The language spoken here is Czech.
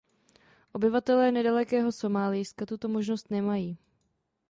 Obyvatelé nedalekého Somálijska tuto možnost nemají.